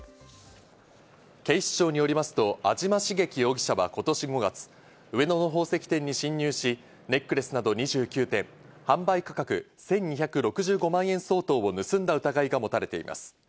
警視庁によりますと安島茂樹容疑者は今年５月、上野の宝石店に侵入し、ネックレスなど２９点、販売価格１２６５万円相当を盗んだ疑いがもたれています。